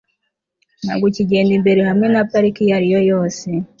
ntabwo ukigenda imbere hamwe na parike iyo ari yo yose